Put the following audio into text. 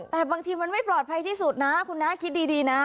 แต่บางทีมันไม่ปลอดภัยที่สุดนะคุณน้าคิดดีนะ